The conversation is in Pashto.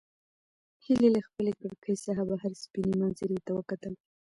هیلې له خپلې کړکۍ څخه بهر سپینې منظرې ته وکتل.